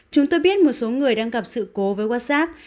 chúng tôi biết một số người đang gặp sự cố với whatsapp